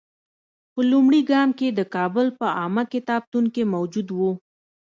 په لومړي ګام کې د کابل په عامه کتابتون کې موجود وو.